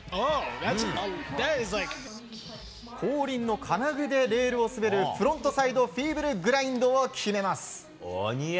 後輪の金具でレールを滑るフロントサイドフィーブルグラインドを決めます。